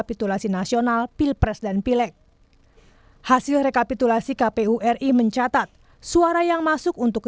pasangan yang terasa adalah satu ratus enam puluh empat dua ratus dua puluh tujuh empat ratus tujuh puluh lima